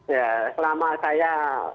ya selama saya